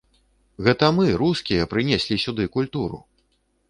Гэта мы, рускія, прынеслі сюды культуру.